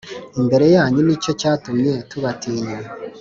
imbere yanyu Ni cyo cyatumye tubatinya